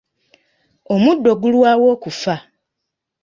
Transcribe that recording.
Omuddo gulwawo okufa.